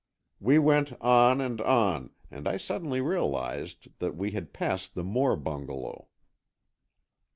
We went on and on and I suddenly realized that we had passed the Moore bungalow.